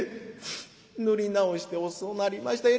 塗り直して遅うなりました。